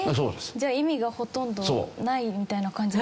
じゃあ意味がほとんどないみたいな感じに。